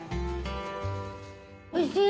おいしい。